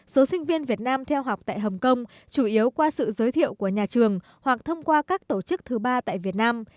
số sinh viên việt nam theo học tại hồng kông chủ yếu qua sự giới thiệu của nhà trường hoặc thông qua các tổ chức thứ ba tại việt nam